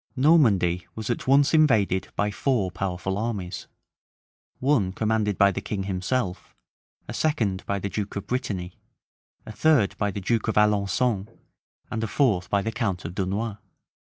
{1449.} Normandy was at once invaded by four powerful armies: one commanded by the king himself; a second by the duke of Brittany; a third by the duke of Alençon; and a fourth by the count of Dunois.